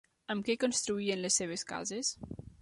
Amb què construïen les seves cases?